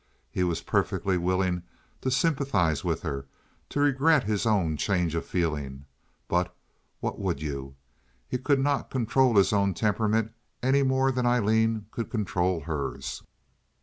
He was perfectly willing to sympathize with her, to regret his own change of feeling, but what would you? He could not control his own temperament any more than Aileen could control hers.